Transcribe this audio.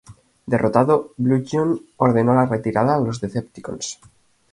Derrotado, Bludgeon ordenó la retirada a los Decepticons.